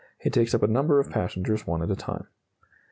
He takes up a number of passengers; one at a time.